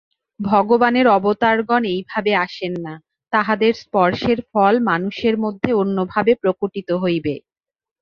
ভগবানের অবতারগণ এইভাবে আসেন না, তাঁহাদের স্পর্শের ফল মানুষের মধ্যে অন্যভাবে প্রকটিত হইবে।